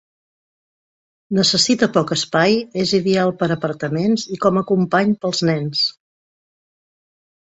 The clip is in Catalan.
Necessita poc espai, és ideal per apartaments i com a company pels nens.